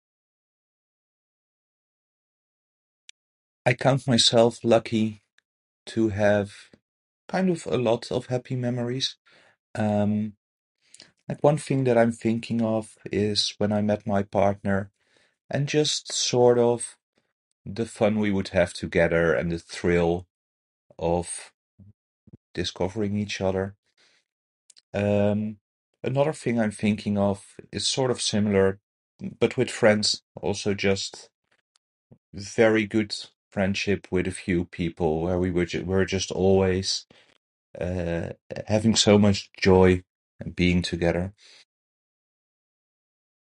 I count myself lucky to have kind of a lot of happy memories. Um, like one thing that I'm thinking of is when I met my partner and just sort of the fun we would have together, and the thrill of discovering each other. Um, another thing I'm thinking of is sort of similar, but with friends. Also just very good friendship with a few people where we were, we were just always, uh, having so much joy and being together.